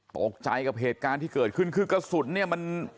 ตกใจกับเหตุการณ์ที่เกิดขึ้นคือกระสุนเนี่ยมัน